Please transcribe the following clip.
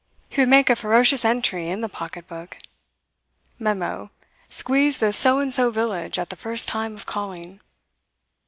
He would make a ferocious entry in the pocketbook. Memo: Squeeze the So and So village at the first time of calling.